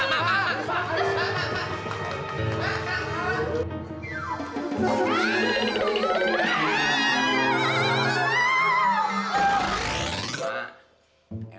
ntar malem kita taraweh